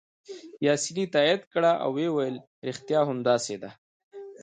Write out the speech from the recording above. پاسیني تایید کړه او ویې ویل: ریښتیا هم داسې ده.